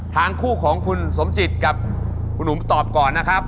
ทางคู่ของคุณสมจิตกับคุณอุ๋มตอบก่อนนะครับ